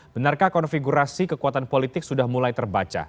benarkah konfigurasi kekuatan politik sudah mulai terbaca